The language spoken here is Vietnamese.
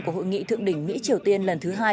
của hội nghị thượng đỉnh mỹ triều tiên lần thứ hai